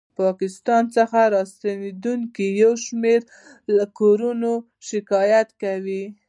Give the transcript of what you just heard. ه پاکستان څخه راستنېدونکې یو شمېر کورنۍ شکایت کوي